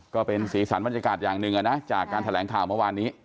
ก็เป็นสีสันบรรยากาศอย่างหนึ่งจากการแถลงข่าวเมื่อวานนี้